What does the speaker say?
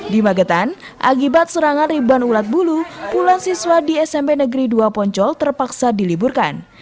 di magetan akibat serangan ribuan ulat bulu puluhan siswa di smp negeri dua poncol terpaksa diliburkan